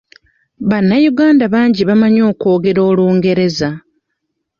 Bannayuganda bangi bamanyi okwongera Olungereza.